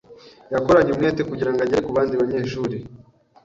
Yakoranye umwete kugirango agere ku bandi banyeshuri.